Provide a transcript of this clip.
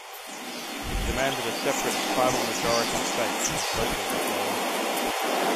It demanded a separate tribal-majority state and social reform.